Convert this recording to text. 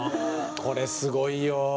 これ、すごいよ！